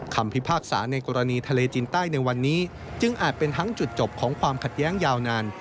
พิพากษาในกรณีทะเลจีนใต้ในวันนี้จึงอาจเป็นทั้งจุดจบของความขัดแย้งยาวนาน